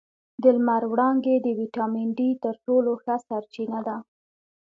د لمر وړانګې د ویټامین ډي تر ټولو ښه سرچینه ده